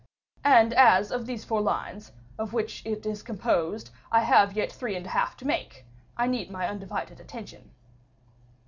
"And as, of these four lines, of which it is composed, I have yet three and a half to make, I need my undivided attention."